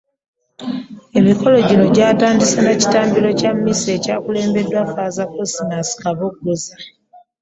Emikolo gino gy’atandise na kitambiro kya mmisa ekyakulembeddwamu Faaza .Cosmas Kaboggoza